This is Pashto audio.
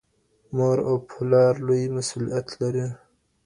مور او پلار لوی مسؤلیت لري.